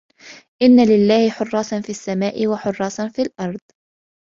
إنَّ لِلَّهِ حُرَّاسًا فِي السَّمَاءِ وَحُرَّاسًا فِي الْأَرْضِ